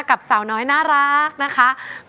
กับสาวน้อยน่ารักนะคะ